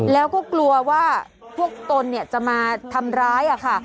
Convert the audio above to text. แล้วก็กลัวว่าพวกตนจะมาทำร้ายค่ะ